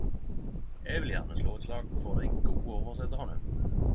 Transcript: Eg vil gjerne slå eit slag for dei gode oversettarane også!